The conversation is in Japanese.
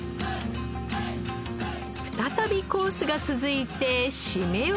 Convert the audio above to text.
再びコースが続いて締めは。